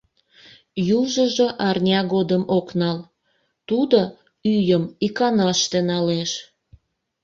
Южыжо арня годым ок нал, тудо ӱйым иканаште налеш.